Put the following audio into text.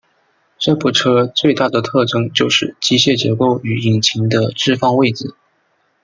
这部车最大的特征就是机械结构与引擎的置放位子。